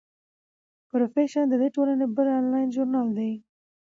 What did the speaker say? پروفیشن د دې ټولنې بل انلاین ژورنال دی.